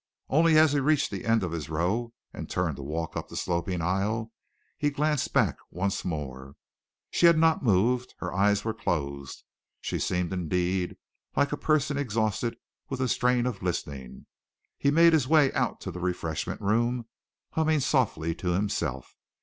Only as he reached the end of his row and turned to walk up the sloping aisle, he glanced back once more. She had not moved. Her eyes were closed. She seemed, indeed, like a person exhausted with the strain of listening. He made his way out to the refreshment room, humming softly to himself.